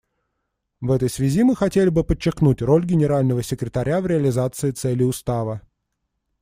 В этой связи мы хотели бы подчеркнуть роль Генерального секретаря в реализации целей Устава.